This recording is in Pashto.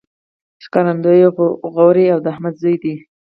ښکارندوی غوري د احمد زوی دﺉ.